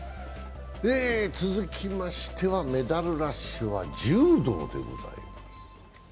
続いてはメダルラッシュは柔道でございます。